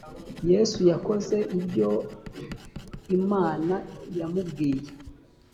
yesu yakoze ibyo imana yamubwiye,